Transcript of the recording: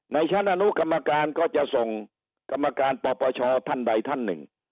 ในชั้นอนุกรรมการก็จะส่งกรรมการปปชท่านใดท่านหนึ่ง